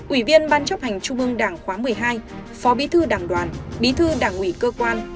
ủy viên ban chấp hành trung ương đảng khóa một mươi hai phó bí thư đảng đoàn bí thư đảng ủy cơ quan